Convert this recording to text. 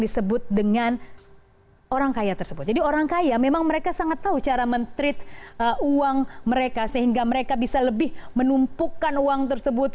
street uang mereka sehingga mereka bisa lebih menumpukan uang tersebut